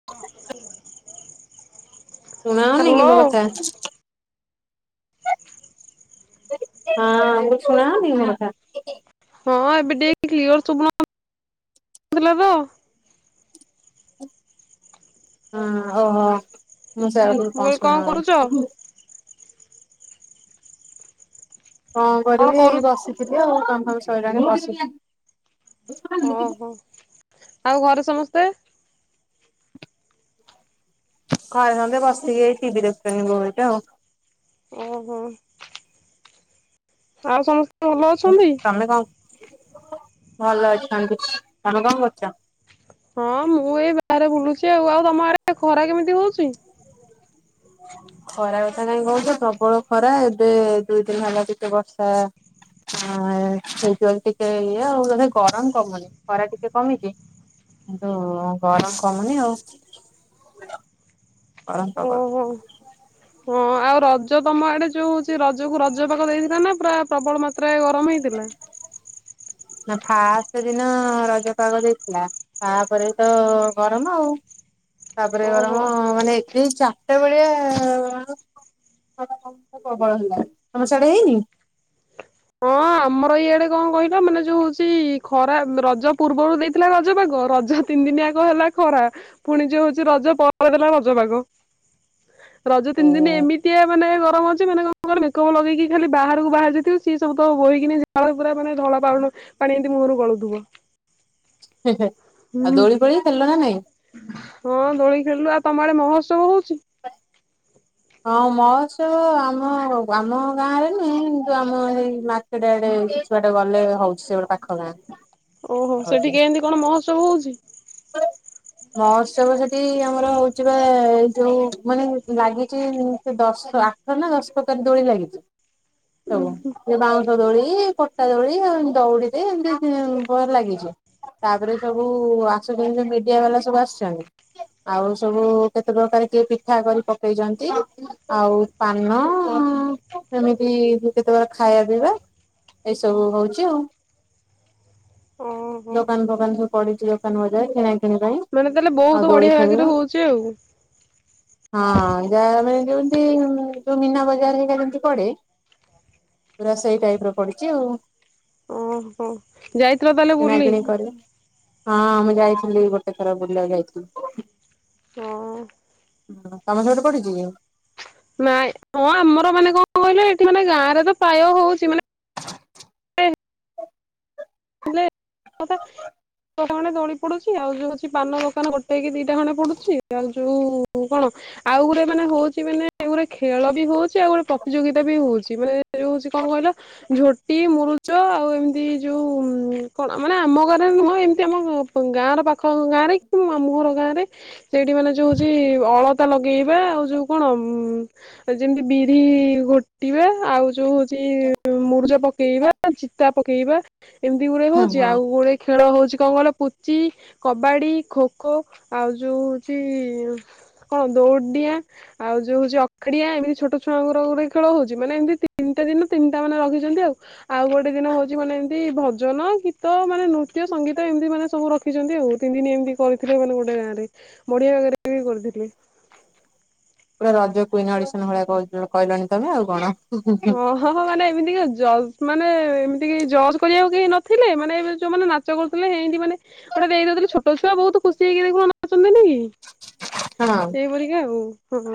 [inaudible] ଶୁଣାହଉନି କି ହ୍ୟାଲୋ ମୋ କଥା? ହଁ, ମୁ ଶୁଣାହଉନି କି ମୋ କଥା? ହଁ, ଏବେ ଟିକେ କ୍ଲିଅର ଶୁବୁନଥିଲା ତ। ହଁ, ଓହ, ମୁଁ ସେଇଆ ଭାବୁଛି କଣ କହିଲି ଶୁଣା କରୁଛ? ହଉନି? କଣ କରିବି ବସିଥିଲି ଆଉ, କାମ ଫାମ ସଇଲାଣି ବସି ଓହୋ, ଆଉ ଘରେ ସମସ୍ତେ? ଘରେ ସମସ୍ତେ ବସିକି ଏଇ ଟିଭି ଦେଖୁଛନ୍ତି ବୋଉ ହେରିକା ଆଉ। ଓହୋ। ଆଉ ସମସ୍ତ ହ ତମେ କଣ ଭଲ ଅଛନ୍ତି? ତମେ କଣ କରୁଛ? ହଁ ମୁଁ ଏଇ ବାହାରେ ବୁଲୁଛି ଆଉ, ଆଉ ତମ ଆଡ଼େ ଖରା କେମିତି ହଉଛି? ଖରା କଥା କାଇଁ କହୁଛ ପ୍ରବଳ ଖରା ଏବେ ଦୁଇ ଦିନ ହେଲା କେତେ ବର୍ଷା ଆ ସେଇଥିପାଇଁ ଟିକେ ଇଏ ଆଉ ନହେଲେ ଗରମ କମୁନି, ଖରା ଟିକେ କମିଛି କିନ୍ତୁ ଗରମ କମୁନି ଆଉ ଗରମ ପାଗ। ଓହୋ। ହଁ ଆଉ ରଜ ତମ ଆଡ଼େ ଯୋଉ ହଉଛି ରଜ କୁ ରଜ ପାଗ ଦେଇଥିଲା ନା ପୁରା ପ୍ରବଳ ମା ତ୍ରା ରେ ଗରମ ହେଇଥିଲା? ନା ଫାଷ୍ଟ ଦିନ ରଜ ପାଗ ଦେଇଥିଲା ତାପରେ ତ ଗରମ ଆଉ, ତାପରେ ଓହୋ। ଗରମ ମାନେ ଏଇ ଚାରିଟା ବେଳିଆ ହଁ ପ୍ରବଳ ହେଲା ତମେ ସେଆଡେ ହେଇନି? ହଁ [inaudible] ଆମର ଇଆଡ଼େ କଣ କହିଲ ମାନେ ଯୋଉ ହଉଛି, ଖରା ରଜ ପୂର୍ବରୁ ଦେଇଥିଲା ରଜ ପାଗ ରଜ ତିନି ଦିନିଯାକ ହେଲା ଖରା ପୁଣି ଯଉ ହଉଛି ରଜ ପରେ ଦେଲା ରଜ ପାଗ। ରଜ ତିନି ଦିନ ଏମିତିଆ ମାନେ ଗରମ ହେଇଛି ମାନେ କଣ କହିଲୁ ମେକପ ଲଗେଇକି ଖାଲି ବାହାରକୁ ବାହାରି ଯାଇଥିବୁ ସିଏ ସବୁ ତ ବୋହିକି ଝାଳ ପୁରା ମାନେ ଧଳା ପାଉ ପାଣି ଏମିତି ମୁହଁରୁ ଗଳୁଥିବ ଆଉ ହୁଁ ଦୋଳି ପୋଳି ଖେଳିଲ ନା ନାଇଁ ହଁ ଦୋଳି ଖେଳିଲୁ ଆଉ ତମ ଆଡ଼େ ମହୋତ୍ସବ ହଉଛି? ହଁ ମହୋତ୍ସବ ଆମ ଆମ ଗାଁ ରେ ନୁହେଁ କିନ୍ତୁ ଆମ ଏଇ ସେଟା ଏଡ଼େ କିଛି ବାଟ ଗଲେ ହଉଛି ସେ ଗୋଟେ ପାଖ ଗାଁ। ଓହୋ ସେଠି ହଉଛି କେମିତି ଏମିତି କଣ ମହୋତ୍ସବ ହଉଛି? ମହୋତ୍ସବ ସେଠି ଆମର ହଉଛି ବା ଏ ଯୋଉ ମାନେ ଲାଗିଛି ସେ ଦଶ ଦଶ ପ୍ରକାର ଦୋଳି ଲାଗିଥିଲା ଉଁ ହୁଁ ସେ ବାଉଁଶ ଦୋଳି, ପଟା ଦୋଳି, ଦଉଡ଼ିରେ ଏମତି ବହେ ଲାଗିଛି ‌। ତାପରେ ସବୁ ମିଡ଼ିଆ ବାଲା ସବୁ ଆସିଛନ୍ତି ଆଉ ସବୁ କେତେ ପ୍ରକାର କିଏ ପିଠା କରି ପକେଇଛନ୍ତି ଆଉ ପାନ ସେମିତି କେତେବେଳେ ଖାଇବା ପିଇବା ଏସବୁ ହଉଛି ଆଉ। ଓହୋ ଦୋକାନ ଫୋକାନ ସବୁ ପଡ଼ିଛି, ଦୋକାନ ବଜାର, କିଣାକିଣି ମାନେ ତାହେଲେ ବହୁତ ବଢ଼ିଆ ବାଗରେ ହଉଛି ଆଉ ହଁ ଯା ମାନେ ଯେମତି ଯୋଉ ମୀନା ବଜାର ହେରିକା ଯେମତି ପଡ଼େ ପୁରା ସେଇ ଟାଇପ ର ପଡ଼ିଛି ଆଉ ହଁ ଯାଇଥିଲ ତାହେଲେ କିଣା ବୁଲି? କିିଣି କରି ହଁ ମୁଁ ଯାଇଥିଲି କେତେଥର ବୁଲିବାକୁ ଯାଇଥିଲି। ହଁ ତମ ସେପଟେ ପଡିି଼ଛି କି? ନାଇଁ ହଁ ଆମର ମାନେ କଣ କହିଲ ଏଠି ମାନେ ଗାଁ ରେ ତ ପ୍ରାୟ ହଉଛି ମାନେ ହଁ ପା ଖଣ୍ଡେ ଦୋଳି ପଡ଼ୁଛି ଆଉ ଯୋଉ ଅଛି ପାନ ଦୋକାନ ଗୋଟେ କି ଦିଟା ଖଣ୍ଡେ ପଡ଼ୁଛି ଆଉ ଯୋଉ କଣ ଆଉ ଗୋଟେ ମାନେ ହଉଛି ମାନେ ଗୋଲେ ଖେଳ ବି ହଉଛି ଆଉ ଗୋଟେ ପ୍ରତିଯୋଗିତା ବି ହଉଛି ମାନେ ଯୋଉ ସେ କଣ କହିଲ ଝୋଟି ମୁରୁଜ ଆଉ ଏମିତି ଯୋଉ କଣ ମାନେ ଆମ ଗାଁରେ ନୁହଁ ଏମିତି ଆମ ଗାଁର ପାଖ ଆଖ ଗାଁ ରେ କି ମାମୁଁ ଘର ଗାଁ ରେ ସେଇଠି ମାନେ ଯୋଉ ହଉଛି ଅଳତା ଲଗେଇବା ଆଉ ଯୋଉ କଣ ଅ ଯେମିତି ବିରି ଘୋଟିବେ ଆଉ ଯୋଉ ଜି ମୁରୁଜ ପକେଇବା ଚିତା ପକେଇବା ଏମିତି ଗୁଡ଼ାଏ ହଁ ହଉଛି ହଁ ଗୁଡ଼ାଏ ଖେଳ ହଉଛି କଣ କହିଲ ପୁଚି, କବାଡି଼, ଖୋ ଖୋ, ଆଉ ଯୋଉ ହଉଛି କଣ ଦଉଡ଼ି ଡିଆଁ ଆଉ ଯୋଉ ହଉଛି ଅଖା ଡିଆଁ ଏମିତି ଛୋଟ ଛୁଆଙ୍କର ଗୁରେ ଖେଳ ହଉଛି ମାନେ ଏମିତିନଟା ଦିନ ତିନିଟା ମାନେ ରଖିଛନ୍ତି ଆଉ ଆଉ ଗୋଟେ ଦିନ ହଉଛି ମାନେ ଏମତି ଭଜନ କି ତ ମାନେ ନୃତ୍ୟ ସଙ୍ଗୀତ ଏମିତି ମାନେ ସବୁ ରଖିଛନ୍ତି, ଆଉ ତିନି ଦିନ ଏମିତି କରିଥିଲେ, ମାନେ ଗୋଟେ ଗାଁରେ। ବଢି଼ଆ ବାଗରେ ବି କରିଥିଲେ। ପୁରା ରଜ କୁଇନ ଅଡି଼ସନ ଭଳିଆ କହି କହିଲଣି ତମେ, ଆଉ କଣ? ହଁ। ହଁ ହଁ, ମାନେ ଏମିତିକା ଜଜ୍ ମାନେ ଏମିତି କି ଜଜ୍ କରିବାକୁ କେହି ନଥିଲେ, ମାନେ ଏବେ ଯୋଉମାନେ ଚ କରୁଥିଲେ, ହେନ୍ତି ମାନେ ଗୋଟେ ଦେଇଦଉଥିଲେ ଛୋଟ ଛୁଆ ବହୁତ ଖୁସି ହେଇକି ଦେଖୁନ ନାଚନ୍ତିନି କି? ହଁ। ସେଇପରିକା ଆଉ, ହଁ।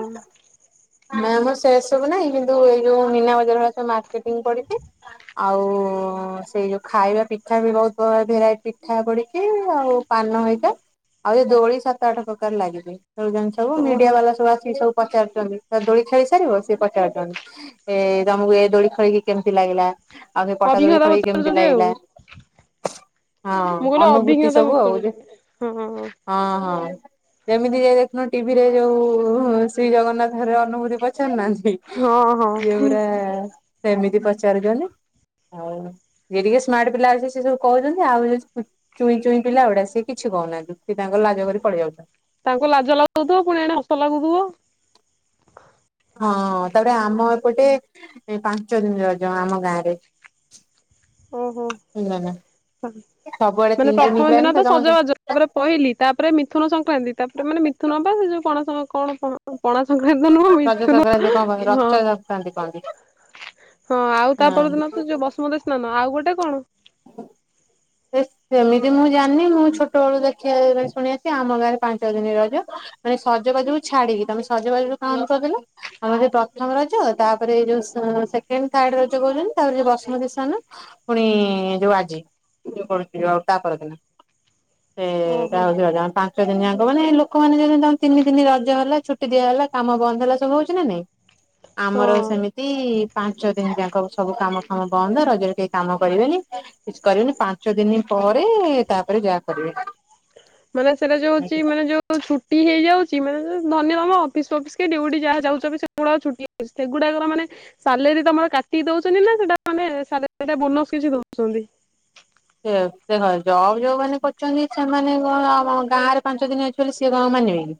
ନା ମ, ସେ ସବୁ ନାହିଁ କିନ୍ତୁ ଏଇ ଯୋଉ ମୀନା ବଜାର ଭଳିଆ ସବୁ ମାର୍କେଟିଙ୍ଗ ପଡି଼ଛି। ଆଉଉ, ସେଇ ଯୋଉ ଖାଇବା ପିଠା ବି ବହୁତ ଭ ଭେରାଇଟି ପିଠା ପଡି଼କି ଆଉ ପାନ ହେଇଟା, ଆଉ ଏ ଦୋଳି ସାତ ଆଠ ପ୍ରକାର ଲାଗିଛି, ଖେଳୁଛନ୍ତି। ସବୁ ମିଡି଼ଆ ଓହୋ ବାଲା ସବୁ ଆସିକି ସବୁ ପଚାରୁଛନ୍ତି। ତ ଦୋଳି ଖେଳି ସାରିବ ସେ ପଚାରାରୁଛନ୍ତି, ଏ ତମକୁ ଏ ଦୋଳି ଖେଳିକି କେମିତି ଲାଗିଲା? ଆଉ ସେ ପଟା ଦୋଳି ଅଭିଜ୍ଞତା ଖେଳିକି କେମିତି ପଚାରୁଛନ୍ତି ଆଉ ଲାଗିଲା? ହଁ, ମୁଁ କହିଲି ଅନୁଭୂତି ଅଭିଜ୍ଞତା ସବୁ ଆଉ, ଯେ ପଚାରୁଛନ୍ତି। ହଁ ହଁ ହଁ, ଯେମିତି ଯେ ଦେଖନୁ ଟିଭିରେ ଯୋଉ ଶ୍ରୀଜଗନ୍ନାଥ ଘରେ ଅନୁଭୂତି ପଚାରୁ ନାହାନ୍ତି, ହଁ ହଁ ଇଏ ପୁରା ସେମିତି ପଚାରୁଛନ୍ତି। ଆଉ ଯିଏ ଟିକେ ସ୍ମାର୍ଟ ପିଲା ଅଛି ସେ ସବୁ କହୁଛନ୍ତି, ଆଉ ଯିଏ ଚୁଇଁ ଚୁଇଁ ପିଲା ଗୁଡ଼ା ସେ କିଛି କହୁନାହାନ୍ତି, ସେ ତାଙ୍କର ଲାଜ କରି ପଳେଇ ଯାଉଛନ୍ତି। ତାଙ୍କୁ ଲାଜ ଲାଗୁଥିବ ପୁଣି ଏଣେ ହସ ଲାଗୁଥିବ। ହଁ, ତାପରେ ଆମ ଏପଟେ ପାଞ୍ଚ ଦିନ ରଜ ଆମ ଗାଁ ରେ। ଓହୋ, ହେଲା ନା। ସବୁଆଡେ ମାନେ ତିନି ପ୍ରଥମ ପ୍ରାୟ ଦିନ ନା ତ ତମ ସଜବାଜ ତାପରେ ପହିଲି, ତାପରେ ମିଥୁନ ସଂକ୍ରାନ୍ତି, ତାପରେ ମାନେ ମିଥୁନ ବା ସେ ଯୋଉ ପଣସଂ କଣ ପଣ ପଣା ସଂକ୍ରାନ୍ତି ନୁହ ରଜ ମିଥୁନ, ସଂକ୍ରାନ୍ତି କଣ କହନ୍ତି ରଜ ହଁ। ସଂକ୍ରାନ୍ତି କହନ୍ତି ହଁ, ଆଉ ତା ପରଦିନ ତୁ ହଁ। ଯୋଉ ବସୁମତୀ ସ୍ନାନ, ଆଉ ଗୋଟେ କଣ? ସେ ସେମିତି ମୁଁ ଜାଣିନି, ମୁଁ ଛୋଟ ବେଳୁ ଦେଖିବାରେ ଶୁଣିଆସିଛି, ଆମ ଗାଁରେ ପାଞ୍ଚ ଦିନି ରଜ ମାନେ ସଜବାଜକୁ ଛାଡି଼କି, ତମେ ସଜବାଜରୁ କାଉଣ୍ଟ କରିଦେଲ? ଆମର ଯଉ ପ୍ରଥମ ରଜ, ତାପରେ ଏଇ ଯୋଉ ସେକେଣ୍ଡ ଥାର୍ଡ ରଜ କହୁଛନ୍ତି ତାପରେ ଯୋଉ ବସୁମତୀ ସ୍ନାନ। ପୁଣି ଏଁ, ଯୋଉ ଆଜି [unintelligible] ତା ପରଦିନ, ଏ। [unintelligible] ଓହୋ ସେ ଦୀନି ଅଙ୍କ ମାନେ, ଲୋକମାନେ ଯେ ତିନି ଦିନି ରଜ ହେଲା, ଛୁଟି ଦିଆ ହେଲା, କାମ ବନ୍ଦ ହେଲା, ସବୁ ହଉଛି ନା ନାଇଁ। ଆମର ହଁ। ସେମିତି ପାଞ୍ଚ ଦିନ୍ ଯାଙ୍କ ସବୁ କାମ ଫାମ ବନ୍ଦ, ରଜରେ କେହି କାମ କରିବେନି। କିଛି କରିବିନି, ପାଞ୍ଚ ଦିନି ପରେ ତାପରେ ଯାହା କରିବେ। ମାନେ ସେଟା ଯୋଉଚି, ମାନେ ଯୋଉ ଛୁଟି ହେଇଯାଉଛି, ମନେକର ଧରିନିଅ ତମ ଅଫିସ୍ ଫପିସ୍ କି ଡ଼ିଉଟି ଯାହା ଯାଉଛବି, ସେଗୁଡ଼ାକ ଛୁଟି ହେ ସେଗୁଡାକର ମାନେ ସାଲେରୀ ତମର କାଟିି ଦଉଛନ୍ତି ନା ସେଟା ମାନେ ସାଲେରୀ ଟା ବୋନସ୍ କିଛି ଦଉଛନ୍ତି? ସେ ଦେଖ ଜବ ଯୋଉ ମାନେ କରୁଛନ୍ତି, ସେମାନେ କଣ ଆମ ଗାଁ ରେ ପାଞ୍ଚ ଦିନି ଅଛି ବୋଲି ସିଏ କଣ ମାନିବେ କି?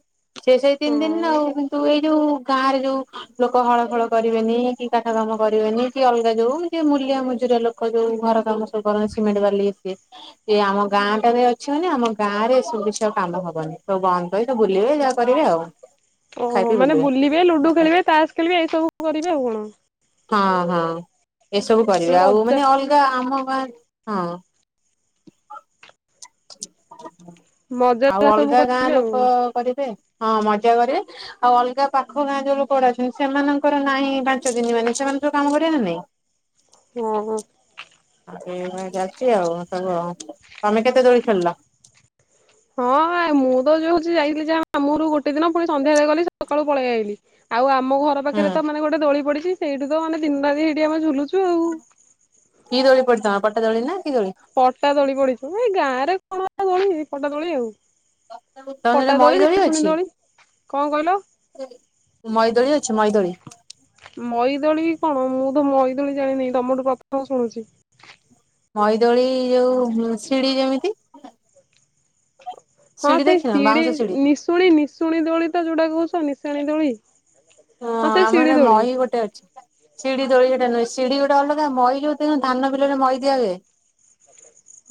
ସେ ସେଇ ତିନି ହଁ ଦିନ ଆଉ କିନ୍ତୁ ଏଇ ଯୋଉ ଗାଁରେ ଯୋଉ ଲୋକ ହଳ ଫଳ କରିବେନି, କି କାଠ କାମ କରିବେନି, କି ଅଲଗା ଯୋଉ ଯେ ମୂଲିଆ ମଜୁରିଆ ଲୋକ ଖ ଯୋଉ ଘର କାମ ସବୁ କରନ୍ତି ସିମେଣ୍ଟ, ବାଲି ସିଏ। ଯେ ଆମ ଗାଁ ଟାରେ ଅଛନ୍ତି, ଆମ ଗାଁ ରେ ଏ ସବୁ କିଛି ଆଉ କାମ ହବନି, ସବୁ ବନ୍ଦ କରି ସବୁ ବୁଲିବେ, ଯାହା କରିବେ ଆଉ। [inaudible] ଓହୋ, ମାନେ ବୁଲିବେ, ଲୁଡୁ ଖେଳିବେ, ତାସ ଖେଳିବେ, ଏଇସବୁ କରିବେ ଆଉ କଣ? ହଁ ହଁ, ଏସବୁ କରିବେ, ଆଉ ମଜା ମାନେ ଅଲଗା ଆମ ଗାଁ ହଁ। ମଜା ଆଉ ଯାହା ସବୁ ଅଲଗା ଗାଁ କରିବେ ଆଉ ଲୋକ କରିବେ, ହଁ ମଜା କରିବେ। ଆଉ ଅଲଗା ପାଖ ଗାଁ ଯୋଉ ଲୋକଗୁଡା ଅଛନ୍ତି ସେମାନଙ୍କର ନାହିଁ ପାଞ୍ଚ ଦିନି ମାନେ ସେମାନେ ସବୁ କାମ କରିବେ ନା ନାଇଁ ଓହୋ। [unintelligible] ଯାଉଛି ଆଉ ସବୁ ଆଉ ତମେ କେତେ ଦୋଳି ଖେଳିଲ? ହଁ ମୁଁ ତ ଯୋଉ ହଉଛି ଯାଇଥିଲି ଯା ମାମୁଁ ଘରକୁ ଗୋଟେ ଦିନ ପୁଣି ସନ୍ଧ୍ୟାରେ ଗଲି ସକାଳୁ ପଳେଇ ଆଇଲି। ଆଉ ଆମ ଘର ହୁଁ ପାଖରେ ତ ମାନେ ଗୋଟେ ଦଳି ପଡିଛି ସେଇଠି ତ ଆମେ ଦିନ ରାତି ସେଇଠି ଆମେ ଝୁଲୁଛୁ। ଆଉ। କି ଦୋଳି ପଡିଛି ତମ ପଟାଦୋଳି ନାଁ କିଦୋଳି? ପଟା ଦୋଳି ପଡିଛି ଏଇ ଗାଁରେ କଣ ଆଉ ଦୋଳି ପଟା ଦୋଳି ଆଉ। ତମ ସେରେ ମଇ ଦୋଳି ଅଛି? କଣ କହିଲ? ମଇ ଦୋଳି ଅଛି ମଇ ଦୋଳି? ମଇଦୋଳି କଣ ମୁଁ ତ ମଇଦୋଳି ଜାଣିନି ତମଠୁ ପ୍ରଥମ ଶୁଣୁଛି। ମଇ ଦୋଳି ଯୋଉ ଶିଡି ଯେମିତି ହଁ ସିଡି ସେଇ ଦେଖିନ ସିଡି ବାଉଁଶ ନିଶୁଣି ନିଶୁଣି ଦୋଳି ତ ଯୋଉଟା କହୁଛ ନିଶାଣି ଦୋଳି। ହଁ ସେଇ ଶିଡି ଆମର ଦୋଳି ମହି ଗୋଟେ ଅଛି। ସିଡି ଦଳି ସେଟା ନୁହେଁ ସିଡିଗୋଟେ ଅଲଗା ମଇ ଯଉ ଧାନ ବିଲରେ ମଇ ଦିଆଯଏ।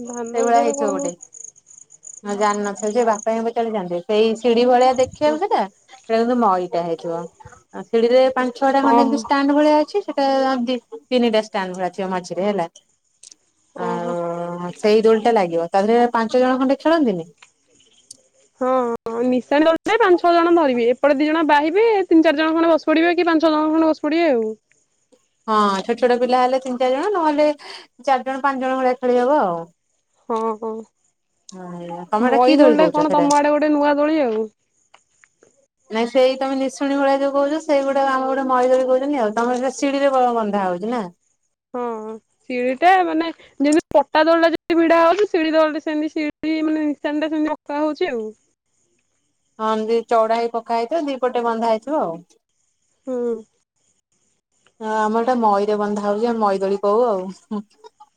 ଧାନ ସେଇଭଳିଆ ବିଲରେ କଣ ହେଇଥିବ ମୁଁ ଗୋଟେ ଜାଣିନଥିବ ସେ ବାପା ଙ୍କୁ ପଚାରିଲେ ମାରିଦେବେ। ସେଇ ସିଡି ଭଳିଆ ଦେଖିବାକୁ ସେଟା କିନ୍ତୁ ମଇଟା ହେଇଥିବ। ଆ ସିଡିରେ ପାଞ୍ଚ ଛଅ ଟା ଖଣ୍ଡେ ଓହୋ ଏମିତି ଷ୍ଟାଣ୍ଡ ଭଳିଆ ଅଛି ସେ ଦି ତିନିଟା ଷ୍ଟାଣ୍ଡ ଭଳିଆ ଥିବ ମଝିରେ ହେଲା ଓହୋ। ଆଉ ସେଇ ଦୋଳି ଟା ଲାଗିବ ତା ଧରେ ପାଞ୍ଚ ଜଣ ଖଣ୍ଡେ ଖେଳନ୍ତିନି? [inaudible] ହଁ ନିଶାଣି ଦୋଳି ରେ ପାଞ୍ଚଛଅ ଜଣ ଧରିବେ ଏପଟେ ଦିଣ ବାହିବେ ତିନି ଚାରିଣ ଖଣ୍ଡ ବସି ପଡିବେ କି ପାଞ୍ଚଛ ଜଣ ଖଣ୍ଡେ ବସ ପଡ଼ିବେ ଆଉ। ହଁ ଛୋଟ ଛୋଟ ପିଲା ହେଲେ ତିନି ଚାରି ଜଣ ନହେଲେ ଚାରିଜଣ ପାଞ୍ଚ ଜଣ ଭଳିଆ ଖେଳି ହବ ଆଉ। ହଁ ହଁ ତମେ ହେଟା କି ମଇ ଦୋଳି ଟା କହୁଛ କଣ ସେଟା? ତମ ଆଡେ ଗୋଟେ ନୂଆ ଦୋଳି ଆଉ। ନାଇଁ ସେଇ ତମେ ନିଶୁଣି ଭଳିଆ ଯୋଉ କହୁଛ ସେଇ ଗୋଟେ ଆମ ଗୋଟେ ମିଇ ଦୋଳି କହୁଛନ୍ତି ଆଉ ତମ ସେଟା ସିଡିରେ ବ ବନ୍ଧା ହଉଛି ନା? ହଁ ଶିଡି ଟା ମାନେ ଯେମିତି ପଟା ଦୋଳଟା ଯେମିତି ଭିଡା ହଉଛି ସିଢି ଦଳଟା ସେମିତିି ସିଡି ମାନେ ନିସାଣିଟା ସେମିତି ଅକା ହଉଛି ଆଉ। ହଁ ଏମତି ଚଉଡା ହେଇ ପକା ହେଇଥାଏ ଦି ପଟେ ବନ୍ଧା ହେଇଥିବ ଆଉ। ହୁଁ। ହଁ ଆମର ଏଟା ମଇରେ ବନ୍ଧା ହଉଛି ଆମେ ମଇଦୋଳି କହୁ ଆଉ।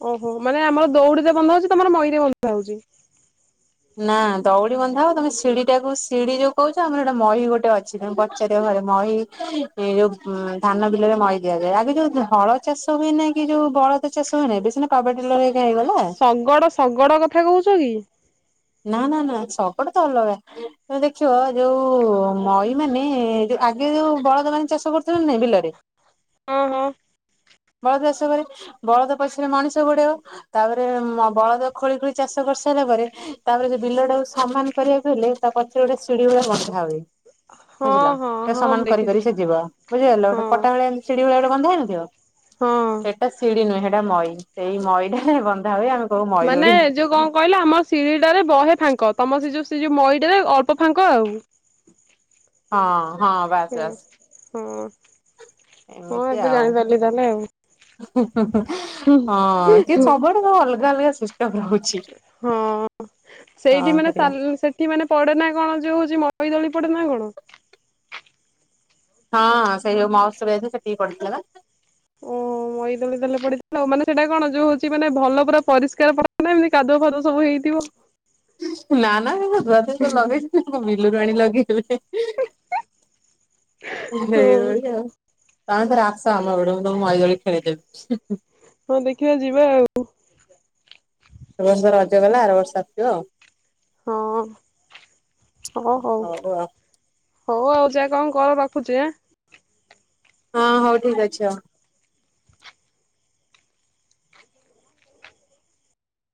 ଓହୋ ମାନେ ଆମର ଦୌଡିରେ ବନ୍ଧ ହଉଛି ତମର ମଇ ରେ ବନ୍ଧ ହଉଛି? ନା ଦଉଡ଼ି ବନ୍ଧା ହବ ତମେ ସିଢୀ ଟା କୁ ସିଡି ଯୋ କହୁଛ ଆମର ହେଟା ମଇ ଗୋଟେ ମହି ଗୋଟେ ଅଛି ତମେ ପଚାରିବା ଘରେ ମହି ଏ ଯୋଉ ଧାନ ବିଲରେ ମଇ ଦିଆଯାଏ ଆଜିକାଲି ହଳ ଚାଷ ହୁଏ ନାଇଁ କି ଯୋଉ ବଳ ଚାଷ ହୁଏନି ଏବେ ସିନା ପାୱାର ଡିଲର୍ ହେରିକା ହେଇଗଲା ଶଗଡ଼ -ଶଗଡ଼ କଥା କହୁଚ କି? ନା -ନା- ନା ଶଗଡ଼ ତ ଅଲଗା। ତମେ ଦେଖିବ ଯଉ ମଈ ମାନେ ଯଉ ଆଗେ ଯଉ ବଳଦ ମାନେ ଚାଷ କରୁଥିଲେ ନା ନାଇ ବିଲରେ ହଁ-ହଁ। ବଳଦ ଚାଷ କରେ ବଳଦ ପଛରେ ମଣିଷ ଗୋଡେଇବ ତାପରେ ଉଁ- ବଳଦ ଖୋଳି ଖୋଳି ଚାଷ କରିସାରିଲା ପରେ ତାପରେ ସେ ବିଲଟାକୁ ସମାନ୍ କରିବାକୁ ହେଲେ ତା ପଛରେ ଗୋଟେ ସିଡି ଭଳିଆ ବନ୍ଧା ହୁଏ। ହଁ ବୁଝିଲ ହଁ ସେ ହଁ ସମାନ୍ ମୁଁ କରିି କରି ଦେଖିଥିଲି ସେ ଯିବ ବୁଝିପାରିଲ ହଁ ତାକୁ କଟାବଳେ ଲି ସିଡି ଭଳିଆ ଗୋଟେ ବନ୍ଧା ହେଇନଥିବ ହଁ। ହେ ହେଟା ଶିଡି ନୁହେଁ ହେଟା ମଇ ସେଇ ମଇ ଟାରେ ବନ୍ଧା ହୁଏ ଆଉ। ମାନେ ଯଉ କଣ୍ କହିଲ ଆମ ସିଡି ଟାରେ ବହେ ଫାଙ୍କ ତମ ସେ ଯଉ ସେ ଯଉ ମଇ ଟାରେ ଅଳ୍ପ ଫାଙ୍କ ଆଉ। ହଁ -ହଁ ବାସ୍ ହୁଁ। ବାସ୍। ହଁ- ହଁ ଏବେ ଜାଣିପାରିଲି ତାହେଲେ ଆଉ। ହୁଁ- ହୁଁ- ହୁଁ- ହଁ ଟିକେ ସବୁଆଡେ ଅଲଗା ଅଲଗା ସିଷ୍ଟମ୍ ରହୁ ହଁ ସେଇଠି ମାନେ କରିବା। ସାନ୍ -ସେ କି ମାନେ ପଡେ ନା କଣ ଯଉ ହଉଚି ମଇ ଦଳି ପଡେ ନା କଣ? ହଁ ସେଇ ଯଉ ମହୋତ୍ସବ ଯାଇଥିଲୁ ସେତିକି ପଡିଥିଲା ପା। ଓ [inaudible] ମଇଦଳି ଦେଲେ ପଡିଦେଲେ ଆଉ ମାନେ ସେଟା କଣ ଯଉ ହଉଚି ମାନେ ଭଲ ପୁରା ପରିଷ୍କାର କରୁନାହାନ୍ତି କାଦୁଅ ଫାଦୁଅ ସବୁ ହେଇଥିବ ନା -ନା ହେରା ଧୁଆଧୁଇ କରି ଲଗେଇଥିଲେ ଆଉ କଣ ବିଲରୁ ଆଣି ଲଗେଇଥିବେ। [unintelligible] ହଁ ତମେ ଥରେ ଆସ ଆମ ଘରକୁ ମୁଁ ତମକୁ ମଇ ଦଳି ଖେଳେଇଦେବି। ହୁଁ-ହୁଁ। ହଁ ଦେଖିବା ଯିବା ଆଉ। ଏ ବର୍ଷ ରଜ ଗଲା ଆର ବର୍ଷ ଆସିବ ଆଉ। ହଁ-ହଁ ହଉ। ହଉ ଆଉ ଯା କଣ୍ କର ରଖୁଚି ଆଁ। ହଁ ହଉ ଠିକ୍ ଅଛି ଆଉ।